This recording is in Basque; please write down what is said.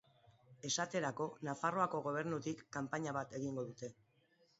Esaterako Nafarroako Gobernutik kanpaina bat egingo dute.